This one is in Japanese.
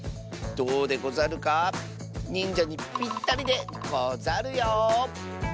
どうでござるか？にんじゃにぴったりでござるよ。